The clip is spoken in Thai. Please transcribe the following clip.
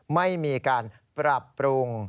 ไม่มีการปรับปรุง